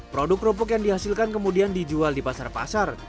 produk kerupuk yang dihasilkan kemudian dijual di pasar pasar